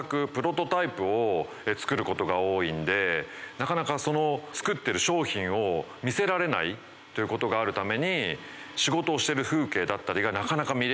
なかなか作っている商品を見せられないという事があるために。